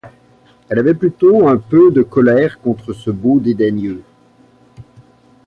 Elle avait plutôt un peu de colère contre ce beau dédaigneux.